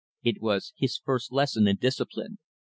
It was his first lesson in discipline.